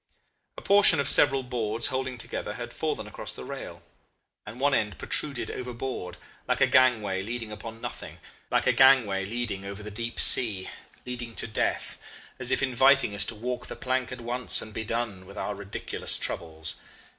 A portion of several boards holding together had fallen across the rail, and one end protruded overboard, like a gangway leading upon nothing, like a gangway leading over the deep sea, leading to death as if inviting us to walk the plank at once and be done with our ridiculous troubles.